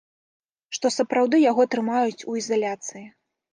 Што сапраўды яго трымаюць у ізаляцыі.